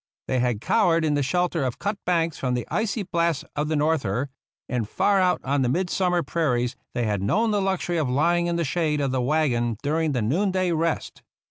They had cowered in the shelter of cut banks from the icy blast of the norther, and far out on the midsummer prairies they had known the luxury of lying in the shade of the wagon during the noonday rest.